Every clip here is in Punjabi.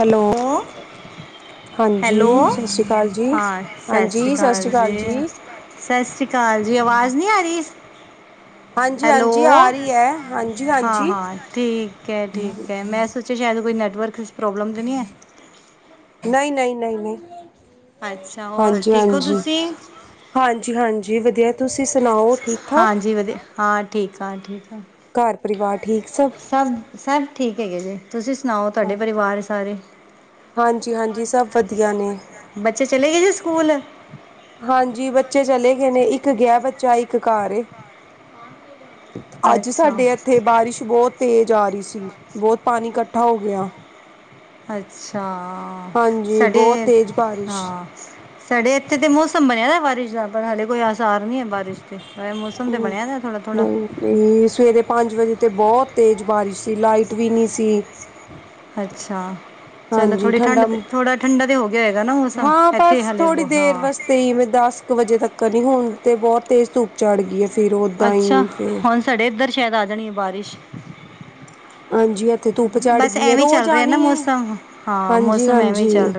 ਹੈਲੋ। ਹਾਂਜੀ, ਹੈਲੋ ਸਸ ਸ੍ਰੀ ਕਾਲ ਜੀ। ਹਾਂ ਹਾਂਜੀ, ਸਸ ਸ੍ਰੀ ਕਾਲ ਜੀ। ਸਸ ਸ੍ਰੀ ਕਾਲ ਜੀ। ਆਵਾਜ਼ ਨੀ ਆ ਰੀ? ਹਾਂਜੀ ਹੈਲੋ, ਹਾਂਜੀ ਆ ਰਹੀ ਹੈ ਹਾਂਜੀ ਹਾਂਜੀ ਹਾਂ-ਹਾਂ, ਠੀਕ ਐ-ਠੀਕ ਐ। ਮੈਂ ਸੋ ਜੀ ਸ਼ੈਦ ਕੋਈ ਨੇਟਵਰਕ ਇੱਚ ਪ੍ਰੋਬਲਮ ਤੇ ਨੀ ਨਹੀਂ ਨਹੀਂ ਨਹੀਂ ਨਹੀਂ ਅੱਛਾ ਹੋਰ ਹਾਂਜੀ ਠੀਕ ਹੋ ਹਾਂਜੀ ਤੁਸੀਂ ਹਾਂਜੀ ਹਾਂਜੀ ਵਧੀਆ ਤੁਸੀਂ ਸੁਣਾਓ ਠੀਕ ਠਾਕ ਹਾਂਜੀ ਵਧੀਆ ਹਾਂ ਠੀਕ ਆ ਠੀਕ ਆ ਘਰ ਪਰਿਵਾਰ ਠੀਕ ਸਭ ਸਭ ਠੀਕ ਹੈਗੇ ਜੀ ਤੁਸੀ ਸੁਣਾਔ, ਤੁਆਡੇ ਪਰਿਵਾਰ ਦੇ ਸਾਰੇ ਹਾਂਜੀ ਹਾਂਜੀ ਸਭ ਵਧੀਆ ਨੇ ਬੱਚੇ ਚਲੇ ਗੇ ਜੀ ਸਕੂਲ? ਹਾਂਜੀ, ਬੱਚੇ ਚਲੇ ਗਏ ਨੇ। ਇੱਕ ਗਿਆ ਬੱਚਾ, ਇੱਕ ਘਾਰ ਏ। ਅੱਜ ਅੱਛਾ ਸਾਡੇ ਇੱਥੇ ਬਾਰਿਸ਼ ਬਹੁਤ ਤੇਜ਼ ਆ ਰਹੀ ਬਹੁਤ ਪਾਣੀ ਇਕੱਠਾ ਹੋ ਗਿਆ ਅੱਛਾ ਹਾਂਜੀ ਬਹੁਤ ਸਾਡੇ ਤੇਜ਼ ਬਾਰਿਸ਼ ਹਾਂ ਸਾਡੇ ਇੱਥੇ ਦੇ ਮੌਸਮ ਬਣਿਆ ਦਾ ਬਾਰਿਸ਼ ਨਾ ਪਰ ਹਾਲੇ ਕੋਈ ਆਸਾਰ ਨੀ ਬਾਰਿਸ਼ ਮੈਂ ਮੌਸਮ ਤੇ ਬਣਿਆ ਨਾ ਥੋੜਾ ਥੋੜਾ ਤੇ ਸਵੇਰੇ ਵਜੇ ਤੇ ਬਹੁਤ ਤੇਜ਼ ਬਾਰਿਸ਼ ਤੇ ਲਾਈਟ ਵੀ ਨਹੀਂ ਸੀ ਅੱਛਾ ਚਲੋ ਹਾਂਜੀ ਥੋੜੀ ਠੰਡ ਠੰਡਾ ਥੋੜਾ ਠੰਡਾ ਤੇ ਹੋ ਗਿਆ ਹੋਏਗਾ ਨਾ ਮੌਸਮ ਇੱਥੇ ਹਾਲੇ ਤੇ ਮੈਂ ਦਸ ਕੁ ਵਜੇ ਤੱਕ ਕਰਨੀ ਹੁਣ ਤੇ ਬਹੁਤ ਤੇਜ਼ ਧੁੱਪ ਚੜ ਗਈ ਆ ਅੱਛਾ ਹੁਣ ਸਾਡੇ ਇਧਰ ਸ਼ਾਇਦ ਆ ਜਾਣੀ ਬਾਰ ਹਾਂਜੀ ਇੱਥੇ ਧੁੱਪ ਚੜ੍ਹ ਬਸ ਗਈ ਹੈ ਐਵੇਂ ਹੀ ਰੋਜ਼ ਚੱਲ ਰਿਹਾ ਨਾ ਆਣੀ ਹੈ ਮੌਸਮ ਹਾਂ ਹਾਂਜੀ ਮੌਸਮ ਐਵੇਂ ਹਾਂਜੀ ਚੱਲ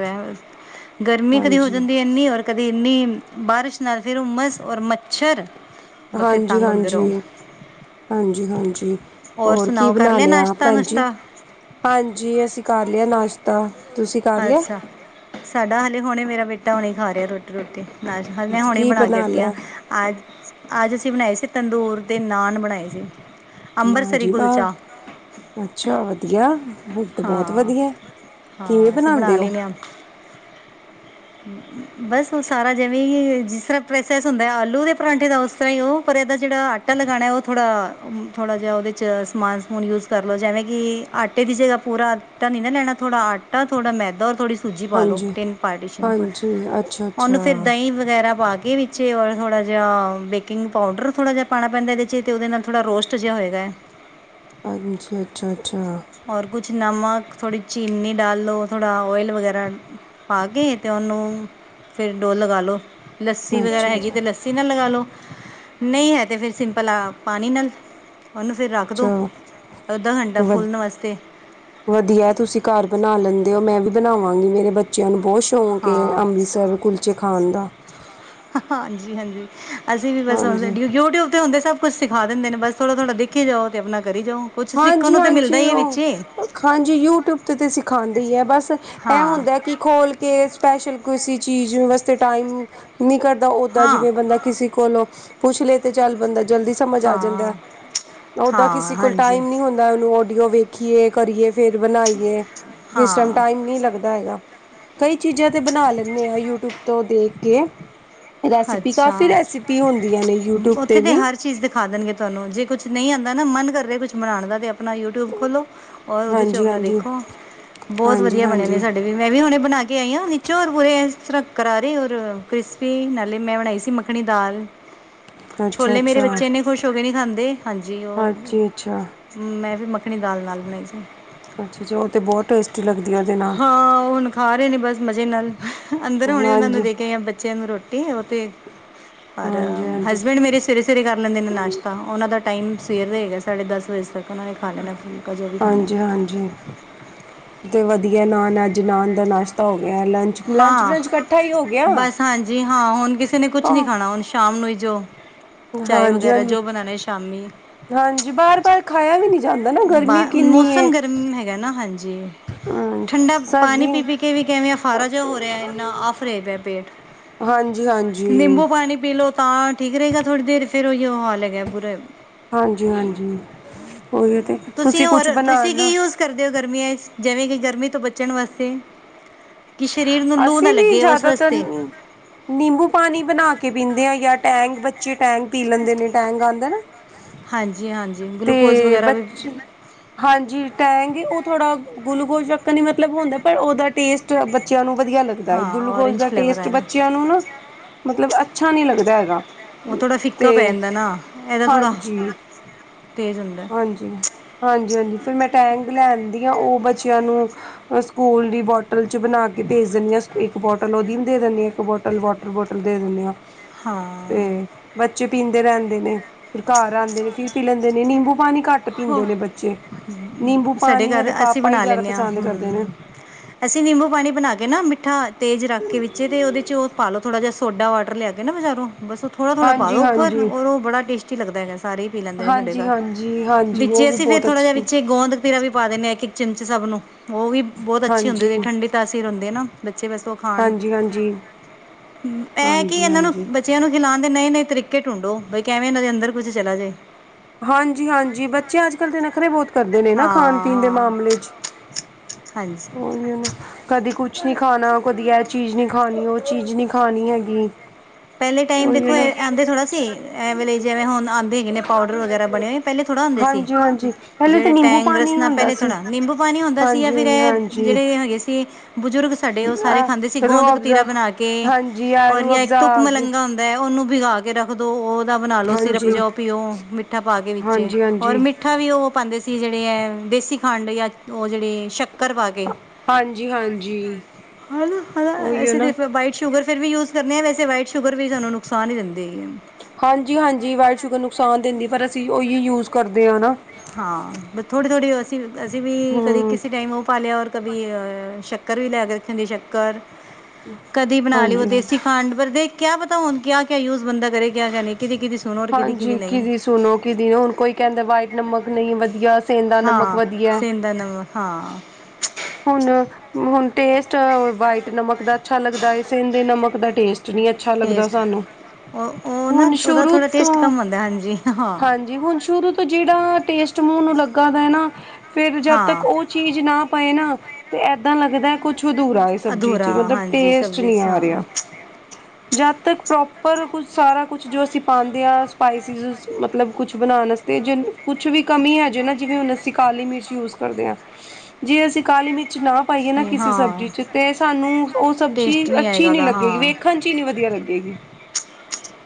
ਗਰਮੀ ਕਦੀ ਹੋ ਹਾਂਜੀ ਜਾਂਦੀ ਇਨੀ ਔਰ ਕਦੀ ਇੰਨੀ ਬਾਰਿਸ਼ ਨਾਲ ਫਿਰ ਉਹ ਮਸ ਔਰ ਮੱਛਰ ਫਿਰ ਹਾਂਜੀ ਤੰਗ ਹੁੰਦੇ ਰਹੋ ਹਾਂਜੀ ਹਾਂਜੀ ਹਾਂਜੀ ਔਰ ਹੋਰ ਕੀ ਸੁਣਾਓ ਕਰ ਬਣਾ ਲਿਆ ਨਾਸ਼ਤਾ ਭੈਣਜੀ ਨੁਸ਼ਤਾ ਹਾਂਜੀ ਅਸੀਂ ਕਰ ਲਿਆ ਨਾਸ਼ ਅੱਛਾ ਸਾਡਾ ਹਾਲੇ ਹੁਣੇ ਮੇਰਾ ਬੇਟਾ ਹੁਣੀ ਖਾ ਰਿਹਾ ਰੋਟੀ ਅੱਛਾ ਮੈਂ ਹੁਣੀ ਕੀ ਬਣਾ ਕੇ ਹਟੀ ਆ ਲਿਆ ਅੱਜ ਅੱਜ ਅਸੀਂ ਬਣਾਈ ਸੀ ਤੰਦੂਰ ਦੇ ਨਾਨ ਬਣਾਏ ਸੀ ਅੰਮ੍ਰਿਤਸਰੀ ਵਜੀ ਵਾਹ ਕੁਲਚਾ ਅੱਛਾ ਵਧੀਆ ਬਹੁਤ ਹਾਂ ਵਧੀਆ ਕਿਵੇਂ ਹਾਂ ਅਸੀਂ ਬਣਾਉਂਦੇ [unintelligible] ਬਸ ਸਾਰਾ ਜਿਵੇਂ ਹੀ ਜਿਸ ਤਰਾਂ ਪਲੇਸਸ ਹੁੰਦਾ ਆਲੂ ਦੇ ਪਰਾਂਠੇ ਦਾ ਉਸ ਤਰਾਂ ਹੀ ਉਹ ਪਰੇ ਦਾ ਜੇਹ ਤਿੰਨ ਗਾਣੇ ਉਹ ਥੋੜਾ ਥੋੜਾ ਜਿਹਾ ਉਹਦੇ ਚ ਸਮਾਨ ਸਮੂਨ ਯੂਜ ਕਰ ਲਓ ਜਿਵੇਂ ਕਿ ਆਟੇ ਦੀ ਜਗਹਾ ਪੂਰਾ ਏਦਾ ਨਹੀ ਨਾ ਲੈਣਾ ਥੋੜਾ ਆਟਾ ਥੋੜਾ ਮੈਦਾ ਥੋੜੀ ਜੀ ਮਾਲੋ ਹਾਂਜੀ ਤਿੰਨ ਪਾਰਟੀਸ਼ਨ ਹਾਂਜੀ ਅੱਛਾ ਹੁਣ ਅੱਛਾ ਫਿਰ ਦਹੀਂ ਵਗੈਰਾ ਪਾ ਕੇ ਵੀ ਥੋੜਾ ਜਿਹਾ ਬੇਕਿੰਗ ਪਾਊਡਰ ਥੋੜਾ ਜਿਹਾ ਪਾਣਾ ਪੈਂਦਾ ਜਿਸ ਨਾਲ ਥੋੜਾ ਰੋਸਟ ਜਿਹਾ ਹੋਏਗਾ ਹਾਂਜੀ ਅੱਛਾ ਅੱਛਾ ਪਰ ਕੁਝ ਨਮਕ ਥੋੜੀ ਚੀਨੀ ਡਾਲ ਲੋ ਥੋੜਾ ਆਇਲ ਵਗੈਰਾ ਪਾ ਕੇ ਤੇ ਉਹਨੂੰ ਫਿਰ ਡੋ ਲਗਾ ਲਓ ਲੱਸੀ ਅੱਛਾ ਵਗੈਰਾ ਹੈਗੀ ਅੱਛਾ ਤੇ ਚੈਨਲ ਲਗਾ ਲਓ ਨਹੀਂ ਹੈ ਤੇ ਫਿਰ ਸਿੰਪਲ ਪਾਣੀ ਨਾਲ ਉਹਨੂੰ ਚ ਦਿਓ ਅੱਧਾ ਘੰਟਾ ਵਧ ਫੁੱਲਣ ਵਾਸਤੇ ਵਧੀਆ ਤੁਸੀਂ ਘਰ ਬਣਾ ਲੈਂਦੇ ਹੋ ਮੈਂ ਵੀ ਬਣਾਵਾਂਗੀ ਮੇਰੇ ਬੱਚਿਆ ਨੂ ਬਹੁਤ ਸ਼ੋਕ ਏ ਹਾਂ ਅੰਮ੍ਰਿਤਸਰ ਕੁਲਚੇ ਖਾਨ ਦਾ ਹਾਂਜੀ ਹਾਂਜੀ ਅਸੀਂ ਵੀ ਵ ਹਾਂਜੀ ਤੇ ਹੁੰਦੇ ਸਭ ਕੁਝ ਸਿਖਾ ਦਿੰਦੇ ਨੇ ਬਸ ਥੋੜਾ ਥੋੜਾ ਦੇਖੀ ਜਾਓ ਤੇ ਆਪਣਾ ਕਰੀ ਜਾਓ ਤੇ ਕੁਛ ਸਿੱਖਣ ਹਾਂਜੀ ਨੂੰ ਮਿਲਦਾ ਹਾਂਜੀ ਹੀ ਹੈ ਉਹ ਵਿੱਚ ਹਾਂਜੀ ਯੂਟੀਊਬ ਤੇ ਤੇ ਸਿਖਾਉਂਦੀ ਹੈ ਬਸ ਇਹ ਹਾਂ ਹੁੰਦਾ ਕੀ ਖੋਲ ਕੇ ਸਪੈਸ਼ਲ ਕੋਈ ਸੀ ਚੀਜ਼ ਵਾਸਤੇ ਟਾਈਮ ਨਹੀਂ ਕਰਦਾ ਉਦਾਂ ਹਾਂ ਜਿਵੇਂ ਬੰਦਾ ਕਿਸੀ ਕੋਲੋ ਪੁੱਛ ਲੇਤੇ ਚਲ ਬੰਦਾ ਜਲਦੀ ਸਮਝ ਆ ਜਾਂਦਾ ਹਾਂ ਉਦਾਂ ਹਾਂ ਕਿਸੇ ਕੋਲ ਹਾਂਜੀ ਨਹੀਂ ਹੁੰਦਾ ਉਹਨੂੰ ਆਡੀਓ ਵੇਖੀਏ ਕਰੀਏ ਫਿਰ ਬਣਾਈਏ ਕਿਸ ਹਾਂ ਟਾਈਮ ਨਹੀਂ ਲੱਗਦਾ ਹੈਗਾ ਕਈ ਚੀਜ਼ਾਂ ਤੇ ਬਣਾ ਲੈਦੇ ਆ ਯੂਟੀਊਬ ਤੋਂ ਦੇਖ ਕੇ ਰੈਸਿਪੀ ਅੱਛਾ ਕਾਫੀ ਰੈਸਿਪੀ ਹੁੰਦੀਆਂ ਨੇ ਯੂਟਿਊਬ ਉਥੇ ਤੇ ਵੀ ਹਰ ਚੀਜ਼ ਦਿਖਾ ਦੇਣਗੇ ਚਲੋ ਜੀ, ਕੁਝ ਨਹੀਂ ਆਉਂਦਾ ਨਾ ਮਨ ਕਰ ਰਹੇ ਕੁਝ ਬਣਾਉਣ ਦਾ ਤੇ ਆਪਣਾ ਯੂਟੀਊਬ ਖੋਲੋ। ਔਰ ਉਹਦੇ ਚ' ਆਪਣਾ ਹਾਂਜੀ-ਹਾਂਜੀ, ਦੇਖੋ, ਬਹੁਤ ਵਧੀਆ ਬਣੇ ਨੇ ਹਾਂਜੀ-ਹਾਂਜੀ ਸਾਡੇ ਮੈਂ ਵੀ ਹੁਨ ਬਣਾ ਕੇ ਆਈ ਹਾ ਨੀਚੋਂ ਪੂਰੇ ਤਕਰਾਰੇ, ਕ੍ਰਿਸਪੀ। ਮੈਂ ਬਣਾਈ ਸੀ ਮੱਖਣੀ ਦਾਲ। ਛੋਲੇ ਮੇਰੇ ਅੱਛਾ-ਅੱਛਾ ਬੱਚੇ ਇੰਨੇ ਖੁਸ਼ ਹੋ ਕੇ ਨਹੀਂ ਖਾਂਦੇ। ਹਾਂਜੀ, ਹਾਂਜੀ ਅੱਛਾ, ਉਹ ਮੈਂ ਵੀ ਮੱਖਣੀ ਦਾਲ ਨਾਲ ਬਣਾਈ ਸੀ। ਅੱਛਾ ਜੀ, ਉਹ ਤੇ ਬਹੁਤ ਟੇਸਟ ਲੱਗਦੀ ਉਹਦੇ ਨਾਲ ਹਾਂ, ਉਹ ਹੁਣ ਖਾ ਰਹੇ ਨੇ ਬਸ ਮਜ਼ੇ ਨਾਲ। ਅੰਦਰ ਆਉਣੇ ਉਹਨਾਂ ਨੂੰ ਹਾਂਜੀ, ਦੇ ਕੇ ਜਾਂ ਬੱਚਿਆਂ ਨੂੰ ਰੋਟੀ ਉਹ ਤੇ ਰ ਹਾਂਜੀ-ਹਾਂਜੀ, ਹਸਬੈਂਡ ਮੇਰੇ ਸਵੇਰੇ -ਸਵੇਰੇ ਕਰ ਲੈਂਦੇ ਨੇ ਨਾਸ਼ਤਾ। ਉਹਨਾਂ ਦਾ ਟਾਈਮ ਸਵੇਰ ਦਾ ਹੈਗਾ ਸਾਢੇ ਦਸ ਵਜੇ ਤੱਕ। ਉਹਨਾਂ ਨੇ ਖਾ ਲੈਣਾ ਫੁਲਕਾ ਜੇ ਵੀ ਖਾਣਾ। ਹਾਂਜੀ। ਤੇ ਵਧੀਆ। ਨਾਨ ਅੱਜ ਨਾਨ ਦਾ ਨਾਸ਼ਤਾ ਹੋ ਗਿਆ। ਲੰਚ ਲੰਚ ਹਾਂ। ਬਰੰਚ ਇਕੱਠਾ ਹੀ ਹੋ ਗਿਆ। ਬਸ, ਹਾਂਜੀ, ਹਾਂ। ਹੁਣ ਕਿਸੇ ਨੇ ਕੁਛ ਨੀ ਖਾਣਾ, ਹੁਣ ਸ਼ਾਮ ਨੂੰ ਹੀ ਜੋ ਚਾਏ ਹਾਂਜੀ- ਵਗੈਰਾ ਹਾਂਜੀ ਜੋ ਬਣਾਉਣੇ ਸ਼ਾਮੀ -ਹਾਂਜੀ, ਬਾਰ -ਬਾਰ ਖਾਇਆ ਵੀ ਨਹੀਂ ਜਾਂਦਾ ਨਾ ਬਾ ਗਰਮੀ ਕਿੰਨੀ ਏ। ਮੌਸਮ ਹੈਗਾ ਨਾ। ਹਾਂਜੀ। ਹੂੰ ਠੰਡਾ ਪਾਣੀ ਸਰਦੀ ਪੀ- ਪੀ ਕੇ ਵੀ ਕਿਵੇਂ ਆ ਫਾਰਾ ਜਿਹਾ ਹੋ ਰਿਹਾ ਇੰਨਾ ਆਫ ਰਹੇ ਪਿਆ ਪੇਟ। ਹਾਂ। ਨਿੰਬੂ ਪਾਣੀ ਪੀ ਲੋ ਤਾਂ ਠੀਕ ਰਹੇਗਾ ਥੋੜ੍ਹੀ ਦੇਰ, ਫੇਿਰ ਉਹੀ ਉਹ ਹਾਲ ਹੈਗਾ ਬੁਰਾ। ਹਾਂਜੀ- ਹਾਂਜੀ ਉਹੀ ਤੇ ਤੁਸੀਂ, ਹੋਰ ਕੁਛ ਤੁਸੀਂ ਕੀ ਬਣਾਣਾ ਯੂਜ ਕਰਦੇ ਹੋ ਗਰਮੀਆਂ ਜਿਵੇਂ ਕਿ ਗਰਮੀ ਤੋਂ ਬਚਣ ਵਾਸਤੇ। ਕਿ ਸਰੀਰ ਨੂੰ ਲੂ ਨਾ ਅਸੀਂ ਵੀ ਲੱਗੇ। ਉਸ ਜ਼ਿਆਦਾਤਰ ਵਾਸਤੇ ਨਿੰਬੂ ਪਾਣੀ ਬਣਾ ਕੇ ਪੀਂਦੇ ਆ। ਜਾਂ ਟੈਂਗ ਬੱਚੇ ਟੈਂਗ ਪੀ ਲੈਂਦੇ ਨੇ, ਟੈਂਗ ਆਉਂਦਾ ਨਾ। ਹਾਂਜੀ- ਹਾਂਜੀ ਗਲੂਕੋਜ ਤੇ ਵਗੈਰਾ ਵੀ। ਬੱਚੇ ਹਾਂਜੀ, ਟੈਂਗ ਉਹ ਥੋੜਾ ਗੁਲੂਕੋਜ਼ ਚੱਕ ਨੀ ਮਤਲਬ ਹੁੰਦਾ। ਪਰ ਉਹਦਾ ਟੇਸਟ ਬੱਚਿਆਂ ਨੂੰ ਵਧੀਆ ਲੱਗਦਾ ਹੈ। ਹਾਂ ਗਲੂਕੋਜ ਔਰੇਂਜ ਦਾ ਫਲੇਵਰ ਟੇਸਟ ਆਇਆ ਬੱਚਿਆਂ ਨੂੰ ਨਾ ਮਤਲਬ ਅੱਛਾ ਨਹੀਂ ਲੱਗਦਾ ਹੈਗਾ। ਉਹ ਥੋੜਾ ਫਿੱਕਾ ਤੇ ਪੈ ਜਾਂਦਾ ਨਾ, ਇਹਦਾ ਥੋੜਾ ਹਾਂਜੀ ਤੇਜ ਹੁੰਦਾ। ਹਾਂਜੀ- ਹਾਂਜੀ ਫਿਰ ਮੈਂ ਟੈਂਗ ਲੈਦੀ ਹਾਂ ਉਹ ਬੱਚਿਆਂ ਨੂੰ ਸਕੂਲ ਦੀ ਬੋਟਲ ਚ' ਬਣਾ ਕੇ ਕਿ ਭੇਜ ਦਿੰਨੀ ਹਾਂ ਇੱਕ ਬੋਟਲ ਉਹਦੀ ਵੀ ਦੇ ਦ ਇੱਕ ਬੋਟਲ ਵੋਟਰ ਬੋਟਲ ਦੇ ਦਿੰਦੇ ਹਾਂ। ਹਾਂ ਤੇ। ਬੱਚੇ ਪੀਂਦੇ ਰਹਿੰਦੇ ਨੇ। ਫਿਰ ਘਰ ਆਉਂਦੇ ਨੇ ਫੇਰ ਪੀ ਲੈਂਦੇ ਨੇ। ਨਿੰਬੂ ਪਾਣੀ ਘੱਟ ਪੀਂਦੇ ਹੋ ਨੇ। ਬੱਚੇ ਨਿੰਬੂ ਸਾਡੇ ਪਾਣੀ ਘਰ ਹੈਦੇ ਅਸੀਂ ਪਾਪਾ ਹੀ ਬਣਾ ਜ਼ਿਆਦਾ ਲੈਂਦੇ ਹਾਂ ਪਸੰਦ ਹੂੰ ਕਰਦੇ ਨੇ। ਅਸੀਂ ਨਿੰਬੂ ਪਾਣੀ ਬਣਾ ਕੇ ਨਾ ਮਿੱਠਾ ਤੇਜ ਰੱਖ ਵਿੱਚ ਤੇ ਉਹਦੇ ਚ' ਉਹ ਪਾਲੋ ਥੋੜਾ ਜਹਾ ਸੋਡਾ ਵਾਟਰ ਲਿਆ ਕੇ ਬਾਜਾਰੋ ਨਾ ਬਸ ਉਹਥੋੜਾ- ਥੋੜਾ ਪਾ ਹਾਂਜੀ ਦਿਉ ਉਪਰ ਹਾਂਜੀ ਰ ਉਹ ਬੜਾ ਟੇਟੀ ਲਗਦਾਗਾ। ਸਾਰੇ ਪੀ ਲੈਂਦੇ ਨੇ ਸਾਡੇ ਹਾਂਜੀ ਘਰ। ਹਾਂਜੀ ਹਾਂਜੀ ਉਹ ਵਿੱਚੇ ਵੀ ਅਸੀਂ ਫੇਰ ਬਹੁਤ ਥੋੜਾ ਜਿਹਾ ਅੱਛੀ ਵਿੱਚੇ ਗੋਂਦ ਰਾ ਵੀ ਪਾ ਦਿੰਦੇ ਹਾਂ ਕਿਚਨ ਚ' ਸਭ ਨੂੰ ਉਹ ਵੀ ਬਹੁਤ ਅੱਛੀ ਹੁੰਦੀ ਹੈ ਹਾਂਜੀ ਠੰਢੀ ਤਾਸੀਰ ਹੁੰਦੀ ਹੈ ਨਾ। ਬੱਚੇ ਬਸ ਖਾਣ। ਹਾਂਜੀ ਹਾਂਜੀ ਇਹ ਕੀ ਹਾਂਜੀ ਇਹਨਾਂ ਨੂੰ ਹਾਂਜੀ ਬੱਚਿਆਂ ਨੂੰ ਖਿਲਾਉਣ ਦੇ ਨਵੇ -ਨਵੇ ਤਰੀਕੇ ਟਢੂੰਡੋ। ਬਈ ਕਿਵੇਂ ਉਹਨਾਂ ਦੇ ਅੰਦਰ ਕੁੱਝ ਚਲਾ ਜੇ। ਹਾਂਜੀ- ਹਾਂਜੀ ਬੱਚੇ ਅੱਜ ਕੱਲ ਦੇ ਨਖਰੇ ਬਹੁਤ ਕਰਦੇ ਨੇ ਨਾ ਹਾਂ ਖਾਣ- ਪੀਣ ਦੇ ਹਾਂ ਮਾਮਲੇ ਚ' ਹਾਂਜੀ ਹੀ ਨਾ। ਕਦੇ ਕੁਛ ਨੀ ਖਾਣਾ। ਕਦੀ ਇਹ ਚੀਜ਼ ਨਹੀਂ ਖਾਣੀ, ਉਹ ਚੀਜ਼ ਨਹੀਂ ਖਾਣੀ ਹੈਗੀ। ਪਹਿਲੇ ਟਾਈਮ ਦੇਖੋ ਉਹੀ ਨਾ ਆਂਦੇ ਥੋੜ੍ਹਾ ਸੀ ਐ ਵ। ਜਿਵੇਂ ਹੁਣ ਆਉਂਦੇਗੇ ਪਾ ਵਗਰਾ ਬਣੇ ਹੋਏ ਪਹਿਲੇ ਥੋੜਾ ਹੁੰਦੇ ਸੀ। ਹਾਂਜੀ ਹਾਂਜੀ ਪਹਿਲੇ ਤਾਂ ਜਿਹੜੇ ਨਿੰਬੂ ਟੈਂਗ, ਰਸ ਪਾਣੀ ਹੀ ਹੁੰਦਾ ਪਹਿ, ਸੀ ਥੋੜਾ ਨਿੰਬੂ। ਪਾਣੀ ਹੁੰਦਾ ਸੀ। ਜਾਂ ਫੇਰ ਹਾਂਜੀ ਇਹ ਹਾਂਜੀ ਜਿਹੜੇ ਹੈਗੇ ਸੀ ਬਜ਼ੁਰਗ ਸਾਡੇ ਉਹ ਸਾਰੇ ਖਾਂਦੇ ਸੀ ਅ ਗੋਂਦ ਰੂਹ ਕਤੀਰਾ ਅਫਜ਼ਾ ਬਣਾ ਕੇ। ਹਾਂਜੀ ਆ ਔਰ ਰੂਹ ਜਾਂ ਇੱਕ ਅਫਜ਼ਾ ਤੋਂ ਆ ਗਈ ਹੁੰਦਾ ਹੈ। ਉਹਨੂੰ ਵਿਗਾ ਕੇ ਰੱਖ ਦੋ। ਉਹ ਦਾ ਬਣਾ ਲਓ ਸਿਰਪ ਹਾਂਜੀ ਜਾਓ, ਪੀਓ ਮਿੱਠਾ ਪਾ ਕੇ ਵਿੱਚ ਹਾਂਜੀ ਔਰ ਹਾਂਜੀ ਮਿੱਠ ਮਿੱਠਾ ਵੀ ਉਹ ਪਾਉਂਦੇ ਸੀ ਜਿਹੜੇ ਹੈ ਦੇਸੀ ਖੰਡ ਜਾਂ ਉਹ ਜਿਹੜੇ ਸ਼ੱਕਰ ਪਾ ਕੇ ਹਾਂਜੀ ਹਾਂਜੀ ਉ ਉਹੀਓ ਨਾ ਵੀਟ ਸ਼ੂਗਰ ਫਿਰ ਵੀ ਯੂਜ ਕਰਨੇ ਆ। ਵੈਸੇ ਵਾਈਟ ਸ਼ੂਗਰ ਵੀ ਸਾਨੂੰ ਨੁਕਸਾਨ ਹੀ ਦਿੰਦੀ ਹੈਗੀ ਏ। ਹਾਂਜੀ, ਹਾਂਜੀ ਵਾਈਟ ਸ਼ੂਗਰ ਨੁਕਸਾਨ ਦਿੰਦੀ। ਪਰ ਅਸੀਂ ਉਹੀ ਯੂਜ ਕਰਦੇ ਆ ਨਾ। ਹਾਂ ਬ ਥੋੜੀ -ਥੋੜੀ ਅਸੀਂ ਅਸੀਂ ਵੀ ਕਦੇ ਹਮ ਕਿਸੇ ਟਾਈਮ ਉਹ ਪਾ ਲਿਆ। ਔਰ - ਸ਼ੱਕਰ ਵੀ ਲੈ ਕੇ ਰੱਖਾਂਗੇ। ਸ਼ੱਕਰ ਕਦੀ ਬਣਾ ਲਓ। ਹਾਂਜੀ ਦੇਸੀ ਖੰਡ, ਪਰ ਕਿਆ ਪਤਾ ਹੁਣ ਕਿਆ -ਕਿਆ ਯੂਜ ਬੰਦਾ ਕਰੇ। ਕਿਆ- ਕਿਆ ਨਹੀਂ। ਕਿਦੀ -ਕਿਦੀ - ਹਾਂਜੀ, ਕਿਦੀ ਸੁਣੋ ਕਿਦੀ ਹੁਣ ਕੋਈ ਕਹਿੰਦਾ ਵਾਈਟ ਨਮਕ ਨਹੀਂ ਵਧੀਆ। ਸੇਂਦਾ ਨਮਕ ਹਾਂ ਵਧੀਆ। [unintelligible] ਹਾਂ। ਹੁਣ, ਹੁਣ ਟੇਸਟ ਵਾਈਟ ਨਮਕ ਦਾ ਅੱਛਾ ਲੱਗਦਾ ਏ। ਸੇਂਦੇ ਨਮਕ ਦਾ ਟੇਸਟ ਨੀ ਅਛ - ਅੱਛਾ ਲੱਗਦਾ ਟੇਸਟ ਸਾਨੂੰ। ਉਹ ਉਹ ਨਾ ਹੁਣ ਉਹਦਾ ਸ਼ੁਰੂ ਥੋੜ੍ਹਾ ਤੋਂ ਟੇਸਟ ਕਮ ਹੁੰਦਾ ਹਾਂਜੀ ਹਾਂ ਹਾਂਜੀ, ਹੁਣ ਸ਼ੁਰੂ ਤੋਂ- ਜਿਹੜਾ ਟੇਸਟ ਮੂੰਹ ਨੂੰ ਲੱਗਾ ਦਾ ਨਾ, ਫੇਰ ਜਦ ਤੱਕ ਹਾਂ ਉਹ ਚੀਜ਼ ਨਾ ਪਏ ਨਾ- 'ਤੇ ਏਦਾਂ ਲੱਗਦਾ। ਕੁਛ ਅਧੂਰਾ ਏ, ਸਬਜ਼ੀ ਚ' ਅਧੂਰਾ ਮਤਲਬ ਹਾਂਜੀ ਟੇਸਟ ਸਬਜ਼ੀ ਨਹੀਂ 'ਚ ਆ ਰਿਹਾ। ਹਾਂ [inaudible] ਜਦ ਤੱਕ ਪ੍ਰੋਪਰ ਕੁਝ ਸਾਰਾ ਕੁਛ ਜੋ ਅਸੀਂ ਪਾਉਂਦੇ ਆ। ਸਪਿਸਸ ਮਤਲਬ ਕੁਛ ਬਣਾਉਣ ਵਸਤੇ ਜਿਨ- ਕੁਛ ਵੀ ਕਮੀ ਹੈਜੇ ਨਾ, ਜਿਵੇਂ ਹੁਣ ਅਸੀਂ ਕਾਲੀ ਮਿਰਚ ਯੂਜ ਕਰਦੇ ਹਾਂ। ਜੇ ਅਸੀਂ ਕਾਲੀ ਮਿਰਚ ਨਾ- ਪਾਈਏ ਨਾ, ਨਹੀਂ ਕਿਸੇ ਸਬਜ਼ੀ ਹਾਂ ਚ 'ਤੇ ਸਾਨੂੰ ਉਹ ਸਬਜ਼ੀ ਟੇਸਟ ਨਹੀਂ ਅੱਛੀ ਆਏਗਾ ਨੀ ਉਹਦਾ ਲੱਗੇਗੀ। ਹਾਂ ਵੇਖਣ ਚ' ਹੀ ਨੀ ਵਧੀਆ ਲੱਗੇਗੀ।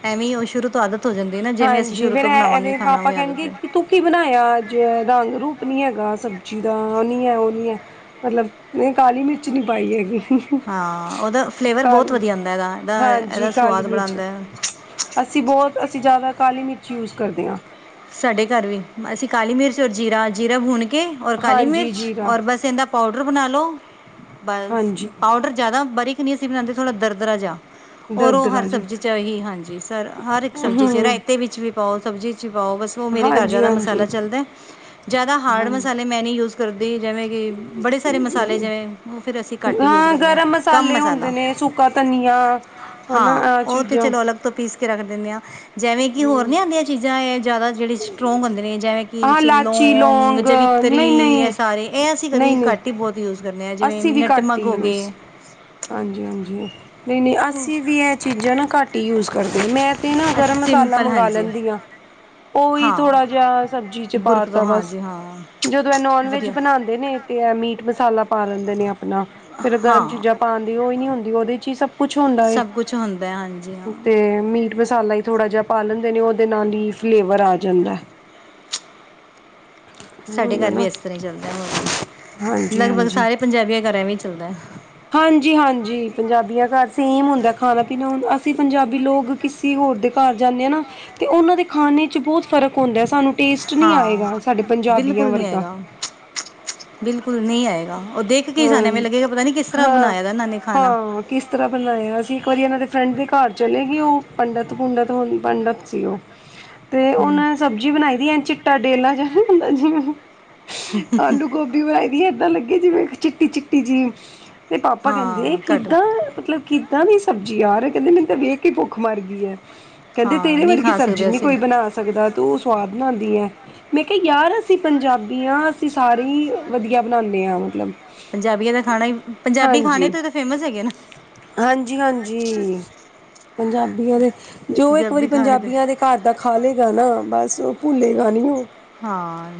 ਐਵੇਂ ਹੀ ਉਹ ਸ਼ੁਰੂ ਤੋਂ ਆਦਤ ਹੋ ਜਾਂਦੀ ਨਾ, ਜਿਵੇਂ ਅਸੀਂ ਹਾਂਜੀ ਸ਼ੁਰੂ ਫੇਰ ਤੋਂ ਐ ਬਣਾਵਾਂਗੇ। ਇਹਦੇ ਖਾਣਾ ਪਾਪਾ ਉਹੀ ਆਦਤ ਕਹਿਣਗੇ ਪੈ - ਕਿ ਤੂੰ ਕੀ ਬਣਾਇਆ। ਅੱਜ ਰੰਗ- ਰੂਪ ਨੀ ਹੈਗਾ ਸਬਜ਼ੀ ਦਾ। ਉਹ ਨੀ ਹੈ, ਉਹ ਨੀ ਹੈ। ਮਤਲਬ ਮੈਂ ਕਾਲੀ ਮਿਰਚ ਨਹੀਂ ਪਾਈ ਹੈਗੀ। ਹਾਂ, ਉਹਦਾ ਫਲੇਵਰ ਬਹੁਤ ਕਾਲੀ ਵਧੀਆ ਆਉਂਦਾ ਹੈਗਾ। ਇਹਦਾ ਹਾਂਜੀ -ਇਹਦਾ ਕਾਲੀ ਸਵਾਦ ਬੜਾ ਮਿਰਚ ਆਉਂਦਾ। ਅਸੀਂ ਬਹੁਤ, ਅਸੀਂ ਜ਼ਿਆਦਾ ਕਾਲੀ ਮਿਰਚ ਯੂਜ ਕਰਦੇ ਆ। ਸਾਡੇ ਘਰ ਵੀ ਅਸੀਂ ਕਾਲੀ ਮਿਰਚ ਔਰ ਜੀਰਾ, ਜੀਰਾ ਭੁਨ ਕੇ ਔਰ ਕਾਲੀ ਹਾਂਜੀ ਮਿਰਚ ਜੀਰਾ ਔਰ ਬਸ ਇਹਦਾ- ਪਾਊਡਰ ਬਣਾ ਲਉ। ਬਸ ਹਾਂਜੀ ਪਾਊਡਰ ਜ਼ਿਆਦਾ ਬਰੀਕ ਨਹੀਂ ਅਸੀਂ ਬਣਾਉਦੇ। ਥੋੜ੍ਹਾ ਦਰਦਰਾ ਜਿਹਾ- ਔਰ ਉਹ ਹਰ ਦਰਦਰਾ ਜੀ ਸਬਜ਼ੀ ਚ' ਹੀ ਹਾਂਜੀ, ਹਰ ਇੱਕ ਸਬਜ਼ੀ ਚ' ਹਮ ਰਾਇਤੇ ਵਿੱਚ ਵੀ ਪਾਓ, ਸਬਜ਼ੀ- ਪਾਓ। ਬਸ ਉਹ ਮੇਰੇ ਘਰ ਹਾਂਜੀ ਜ਼ਿਆਦਾ ਮਸਾਲਾ ਹਾਂਜੀ ਚਲਦਾ। ਜਿਆਦਾ ਹਾਰਡ ਹਾਂਜੀ ਮਸਾਲੇ ਮੈਂ ਨੀ ਯੂਸ - ਕਰਦੀ। ਜਿਵੇਂ ਕਿ ਬੜੇ ਸਾਰੇ ਮਸਾਲੇ ਜਿਵੇਂ, ਉਹ ਫਿਰ ਅਸੀਂ ਘੱਟ ਹੀ ਯੂਜ ਕਰਦੇ ਆਂ। ਕੰਮ ਮਸਾਲਾ- ਕਦੇ ਸੁੱਕਾ ਧਨੀਆ- ਹਨਾ ਹਾਂ, ਆਹ ਉਹ ਤੇ ਚੀਜ਼ਾਂ ਚਲੋ ਅਲੱਗ ਤੋਂ ਪੀਸ ਕੇ ਰੱਖ ਦਿੰਦੇ ਆਂ। ਜਿਵੇਂ ਕਿ ਹੋਰ ਹਮ ਨੀ ਆਉਂਦੀਆਂ ਚੀਜ਼ਾਂ ਇਹ ਜ਼ਿਆਦਾ- ਜਿਹੜੇ ਸਟਰੋਂਗ ਹੁੰਦੇ ਨੇ, ਜਿਵੇਂ ਕਿ ਆਹ ਵਿੱਚ ਲਾਚੀ ਲੋਂਂਗ, ਲੌਂਗ ਜਵਿੱਤਰੀ ਨਹੀਂ ਇਹ ਨਹੀਂ ਸਾਰੇ ਇਹ ਅਸੀਂ ਕਦੇ ਨਹੀਂ ਨਹੀਂ ਘੱਟ ਹੀ ਬਹੁਤ- ਯੂਜ਼ ਕਰਨੇ ਆ, ਜਿਵੇਂ ਅਸੀਂ ਵੀ ਘੱਟ ਹੀ ਨੈਟਮੱਗ ਹੋ ਯੂਜ ਗਏ। ਹਾਂਜੀ- ਹਾਂਜੀ, ਨਹੀਂ- ਨਹੀਂ ਅਸੀਂ ਵੀ ਇਹ ਚੀਜ਼ਾਂ ਨਾ ਘੱਟ ਹੀ ਯੂਜ ਕਰਦੇ ਆ। ਮੈਂ - 'ਤੇ ਨਾ ਅਸੀਂ ਗਰਮ ਮਸਾਲਾ ਸਿੰਪਲ ਮੰਗਵਾ ਹਾਂਜੀ ਲੈਂਦੀ ਆ। ਉਹੀ ਥੋੜਾ ਹਾਂ ਜਿਹਾ ਸਬਜ਼ੀ ਚ' ਪਾ ਬੁਰਕ ਤੋਂ ਤਾ ਬਸ ਹਾਂਜੀ ਹਾਂ ਜਦੋਂ ਇਹ ਨੋਨ ਵੈਜ ਵਧੀਆ ਬਣਾਉਦ- ਨੇ ਤੇ ਮੀਟ ਮਸਾਲਾ ਪਾ ਲੈਂਦੇ ਨੇ, ਆਪਣਾ ਫੇਰ ਗਰਮ ਹਾਂ ਚੀਜ਼ਾਂ- ਪਾਉਂਦੀ। ਉਹ ਹੀ ਨੀ ਹੁੰਦੀ, ਉਹਦੇ ਚ' ਹੀ ਸਭ ਕੁਛ ਹੁੰਦਾ। ਸਭ ਕੁਛ ਹੁੰਦਾ ਹੈ, ਹਾਂਜੀ ਹਾਂ ਤੇ ਮੀਟ ਮਸਾਲਾ ਹੀ - ਥੋੜਾ ਜਿਹਾ ਪਾ ਲੈਂਦੇ ਨੇ, ਉਹਦੇ ਨਾਲ ਹੀ ਫਲੇਵਰ ਆ ਜਾਂਦਾ। ਸਾਡੇ ਉਹੀ ਹੈ ਘਰ ਵੀ ਨਾ ਇਸ ਤਰ੍ਹਾਂ ਹੀ ਚੱਲਦਾ, ਹੋਰ ਕਿਆ, ਹਾਂਜੀ ਲਗਭਗ ਸਾਰੇ ਪੰਜਾਬੀਆਂ ਘਰ ਵੀ ਇਵੇਂ ਚੱਲਦਾ। ਹਾਂਜੀ- ਹਾਂਜੀ ਪੰਜਾਬੀਆਂ ਘਰ ਸੇਮ ਹੁੰਦਾ। ਖਾਣਾ -ਪੀਣਾ ਹੁਣ ਅਸੀਂ ਪੰਜਾਬੀ ਲੋਕ ਕਿਸ- ਕਿਸੀ ਹੋਰ ਦੇ ਘਰ ਜਾਣੇ ਆਂ, ਨਾ 'ਤੇ ਉਹਨਾਂ ਦੇ ਖਾਣੇ ਚ' ਬਹੁਤ- ਫਰਕ ਹੁੰਦਾ। ਸਾਨੂੰ ਟੇਸਟ ਨੀ ਸਾਨੂੰ ਆਏਗਾ। ਸਾਡੇ ਪੰਜਾਬੀਆਂ ਬਿਲਕੁਲ ਨਹੀਂ ਪੰਜਾਬੀ ਵਰਗਾ- ਆਏਗਾ ਖਾਣੇ ਦਾ। ਬਿਲਕੁਲ ਨਹੀਂ ਆਏਗਾ। ਉਹ ਦੇਖ ਕੇ ਹਾਂ, ਸਾਨੂੰ ਇਵੇਂ ਲੱਗੇਗਾ, ਪਤਾ ਨੀ ਕਿਸ ਤਰ੍ਹਾਂ ਹਾਂ, ਬਣਾਇਆ ਦਾ। ਇਹਨਾਂ ਨੇ ਖਾਣਾ- ਹਾਂ ਕਿਸ ਤਰ੍ਹਾਂ ਬਣਾਇਆ ਸੀ। ਇੱਕ ਵਾਰੀ ਇਹਨਾਂ ਦੇ ਫਰੈਂਡ ਦੇ ਘਰ ਚਲੇਗੇ। ਉਹ ਪੰਡਿਤ- ਪੁੰਡਤ ਹੋ, ਪੰਡਿਤ ਸੀ। ਉਹ- [inaudible] 'ਤੇ ਉਹਨਾਂ ਨੇ ਸਬਜ਼ੀ ਬਣਾਈ ਦੀ, ਏ ਚਿੱਟਾ ਜਿਹਾ ਡੇਲਾ ਜਿਹਾ ਨਈ ਹੁੰਦਾ। ਜਿਵੇਂ ਆਲੂ- ਗੋਭੀ- ਗੋਭੀ ਬਣਾਈ ਦੀ ਏ, ਏਦਾਂ ਲੱਗੇ ਜਿਵੇਂ ਚਿੱਟੀ ਚਿੱਟੀ ਜੀ ਏ। 'ਤੇ ਪਾਪਾ ਕਹਿੰਦੇ, ਹਾਂ ਘੱਟ ਕਿੱਦਾਂ ਮਤਲਬ ਕਿ ਕਿਦਾਂ ਦੀ ਸਬਜ਼ੀ ਯਾਰ, ਕਹਿੰਦੇ ਮੈਨੂੰ 'ਤੇ ਵੇਖ ਕੇ ਭੁੱਖ ਮਰ ਗਈ ਏ। ਕਹਿੰਦੇ ਹਾਂ ਤੇਰੇ ਨਹੀਂ ਵਰਗੀ ਖਾ ਸਬਜ਼ੀ ਸਕਦੇ ਨਹੀਂ ਅਸੀਂ ਕੋਈ ਬਣਾ ਸਕਦਾ, ਤੂੰ ਸਵਾਦ ਬਣਾਉਂਦੀ ਏ। ਮੈਂ ਕਿਹਾ ਯਾਰ ਅਸੀਂ ਪੰਜਾਬੀ ਹਾਂ ਅਸੀਂ ਸਾਰੇ ਹੀ ਵਧੀਆ ਬਣਾਉਂਦੇ ਹਾਂ ਮਤਲਬ ਪੰਜਾਬੀਆਂ ਦਾ ਖਾਣਾ, ਪੰਜਾਬੀ ਖਾਣੇ ਹਾਂਜੀ ਤੇ ਫੇਮਸ ਹੈਗੇ ਨਾ ਹਾਂਜੀ -ਹਾਂਜੀ ਪੰਜਾਬੀਆਂ ਦੇ ਜੋ ਇੱਕ ਵਾਰੀ ਪੰਜਾਬੀ ਖਾਣੇ ਤੇ ਪੰਜਾਬੀਆਂ ਦੇ ਘਰ ਦਾ ਖਾਲੇ ਗਾਨਾ ਬਸ ਉਹ ਭੁੱਲੇ ਗਾ ਨਹੀਂੀ ਹੁਣ ਹਾਂ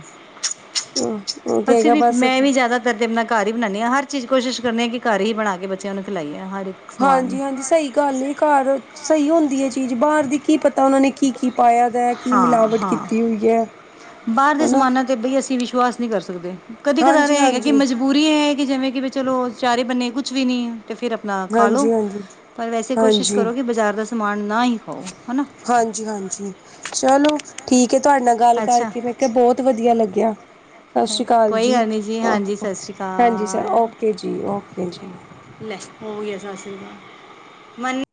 ਉਹ ਅਸੀਂ ਕਹੇਗਾ ਵੀ ਮੈਂ ਬਸ ਵੀ ਜ਼ਿਆਦਾ ਰ ਤੇ ਆਪਣਾ ਘਰ ਹੀ ਬਣਾਉਂ ਹਾਂ ਹਰ ਚੀਜ਼ ਕੋਸ਼ਿਸ਼ ਕਰਨੀ ਹਾਂ ਕਿ ਘਰ ਹੀ ਬਣਾ ਕੇ ਬੱਚਿਆਂ ਨੂੰ ਖਿਲਾਈਏ ਹਰ ਇੱਕ ਸਮਾਨ ਹਾਂਜੀ ਹਾਂਜੀ ਸਹੀ ਗੱਲ ਏ ਘਰ ਸਹੀ ਹੁੰਦੀ ਹੈ ਚੀਜ਼ ਬਾਹਰ ਦੀ ਕੀ ਪਤਾ ਉਹਨਾਂ ਨੇ ਕੀ ਕੀ ਪਾਇਆ ਦਾ ਕੀ ਹਾਂ ਮਿਲਾਵਟ ਹਾਂ ਕੀਤੀ ਹੋਈ ਹੈ ਬਾਹਰ ਹੈ ਦੇ ਨਾ ਸਮਾਨਾਂ ਤੇ ਬਈ ਅਸੀਂ ਵਿਸ਼ਵਾਸ ਨਹੀਂੀ ਕਰ ਸਕਦੇ ਕਦੇ ਕਦਾਰ ਇਹ ਹੈਗਾ ਕਿ ਹਾਂਜੀ-ਹਾਂਜੀ, ਮਜਬੂਰ ਪੂਰੀ ਹੈ ਕਿ ਜਿਵੇਂ ਕਿ ਵੀ ਚਲੋ ਵਿਚਾਰੇ ਬੰਨੇ ਕੁਛ ਵੀ ਨਹੀਂ ਅਤੇ ਫਿਰ ਆਪ ਹਾਂਜੀ ਹਾਂਜੀ ਪਰ ਵੈਸੇ ਕੋਸ਼ਿਸ਼ ਕਰੋ ਕਿ ਬਾਜ਼ਾਰ ਦਾ ਸਮਾਨ ਨਾ ਹੀ ਖਾਓ ਹਨਾ ਹਾਂਜੀ-ਹਾਂਜੀ ਚਲੋ ਠੀਕ ਹੈ ਤੁਹਾਡੇ ਨਾਲ ਗੱਲ ਅੱਛਾ ਕਰਕੇ ਮੈਂ ਕਿਹਾ ਬਹੁਤ ਵਧੀਆ ਲੱਗਿਆ ਸਤਿ ਸ਼੍ਰੀ ਅਕਾਲ ਕੋਈ ਜੀ ਗੱਲ ਨਹੀਂ ਹਾਂਜੀ ਸਤਿ ਸ਼੍ਰੀ ਭਣ ਜੀ ਅਕਾਲ ਓਕੇ ਜੀ ਓਕੇ ਜੀ ਲੈ ਹੋ ਯ ਸ ਅਸ਼ੀਰਵਾਦ ਨਲੇ